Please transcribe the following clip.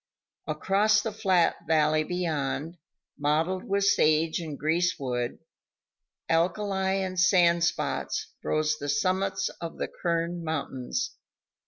Across the flat valley beyond, mottled with sage and greasewood, alkali and sand spots, rose the summits of the Kern Mountains.